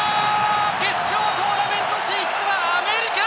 決勝トーナメント進出はアメリカ！